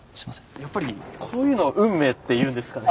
やっぱりこういうのを運命って言うんですかね。